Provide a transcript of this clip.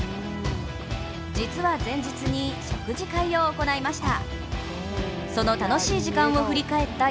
実は前日に食事会を行いました。